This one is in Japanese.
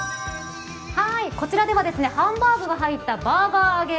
こちらではハンバーグが入ったバーガー揚げ。